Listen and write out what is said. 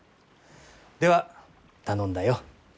では頼んだよ。